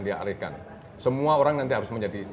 dialihkan semua orang nanti harus menjadi